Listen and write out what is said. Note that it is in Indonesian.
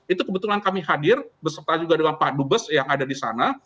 itu kebetulan kami hadir beserta juga dengan pak dubes yang ada di sana